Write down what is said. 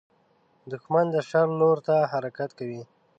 دښمن د شر لور ته حرکت کوي